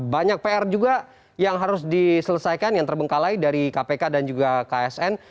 banyak pr juga yang harus diselesaikan yang terbengkalai dari kpk dan juga ksn